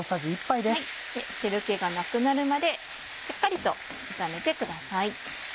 汁気がなくなるまでしっかりと炒めてください。